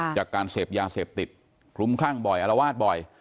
จากการเสพยาเสพติดคลุ้มคลั่งบ่อยอารวาสบ่อย